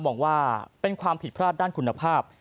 มองว่าเป็นความผิดพลาดด้านคุณภาพ